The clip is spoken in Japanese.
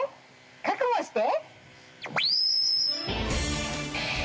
覚悟して。